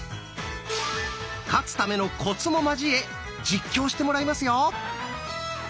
「勝つためのコツ」も交え実況してもらいますよ。